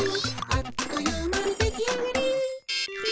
「あっというまにできあがり！」